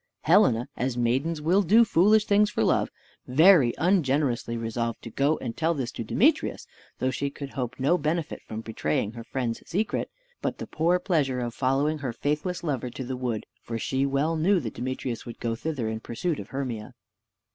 Helena (as maidens will do foolish things for love) very ungenerously resolved to go and tell this to Demetrius, though she could hope no benefit from betraying her friend's secret, but the poor pleasure of following her faithless lover to the wood: for she well knew that Demetrius would go thither in pursuit of Hermia.